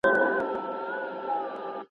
پر کابل مي جنګېدلی بیرغ غواړم ..